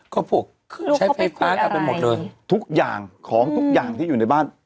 ก็พูดลูกเขาไปคุยอะไรทุกอย่างของทุกอย่างที่อยู่ในบ้าน